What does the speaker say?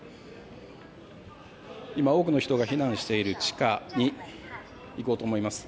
多くの人が避難をしている地下に行こうと思います。